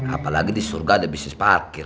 apalagi disurga ada bisnis parkir